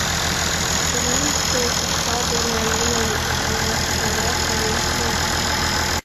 Тенийысе тӱшка дене нуным таҥастараш лиеш мо?